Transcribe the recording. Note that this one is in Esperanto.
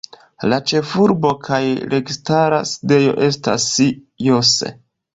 La ĉefurbo kaj registara sidejo estas Jos.